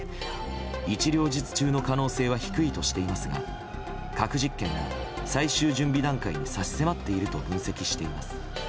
一両日中の可能性は低いとしていますが核実験が最終準備段階に差し迫っていると分析しています。